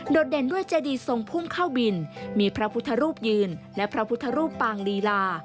เด่นด้วยเจดีทรงพุ่งเข้าบินมีพระพุทธรูปยืนและพระพุทธรูปปางลีลา